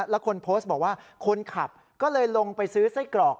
แล้วคนโพสต์บอกว่าคนขับก็เลยลงไปซื้อไส้กรอก